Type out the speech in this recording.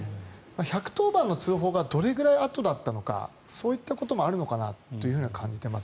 １１０番の通報がどれくらいあとだったのかそういったこともあるのかなとは感じてます。